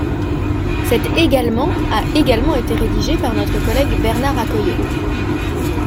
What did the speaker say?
Cet également a également été rédigé par notre collègue Bernard Accoyer.